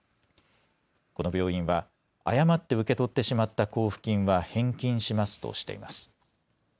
この病院は誤って受け取ってしまった交付金は返金しますとしています。